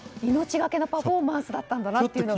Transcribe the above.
命懸けのパフォーマンスだったんだなと。